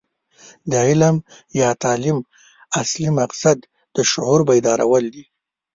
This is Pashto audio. د علم یا تعلیم اصلي مقصد د شعور بیدارول دي.